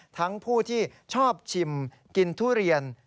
ผู้ที่ชอบชิมกินทุเรียน